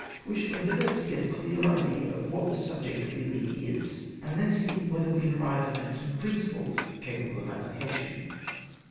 We shall endeavour to get a clear idea of what the subject really is, and then see whether we can arrive at some principles capable of ap plication.